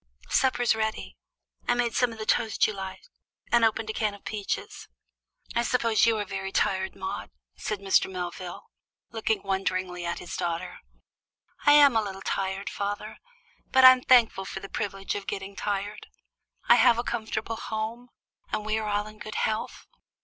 Supper's ready. I've made some of the toast you like and opened a can of peaches. "I suppose you are very tired, Maude," said Mr. Melvin, looking wonderingly at his daughter. "I'm a little tired, father, but I'm thankful for the privilege of getting tired. I have a comfortable home, and we are all in good health.